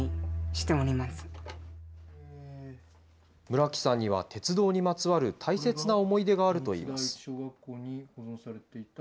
村木さんには、鉄道にまつわる大切な思い出があるといいます。